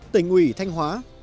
tỉnh uỷ thanh hóa